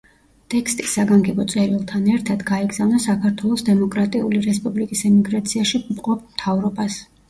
ტექსტი საგანგებო წერილთან ერთად გაეგზავნა საქართველოს დემოკრატიული რესპუბლიკის ემიგრაციაში მყოფ მთავრობას.